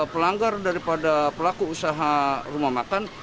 pelanggar daripada pelaku usaha rumah makan